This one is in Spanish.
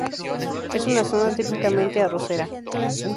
Es una zona típicamente arrocera.